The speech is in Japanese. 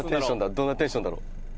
どんなテンションだろ？